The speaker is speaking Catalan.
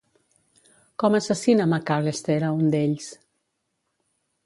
Com assassina McAllester a un d'ells?